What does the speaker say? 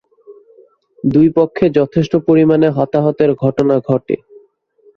দুই পক্ষে যথেষ্ট পরিমাণে হতাহতের ঘটনা ঘটে।